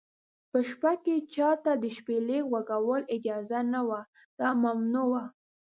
په شپه کې چا ته د شپېلۍ غږولو اجازه نه وه، دا ممنوع و.